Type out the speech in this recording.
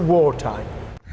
ini adalah waktu perang